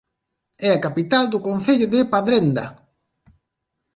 É a capital do concello de Padrenda.